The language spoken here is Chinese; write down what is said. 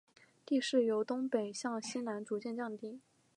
地势由东北向西南逐渐降低。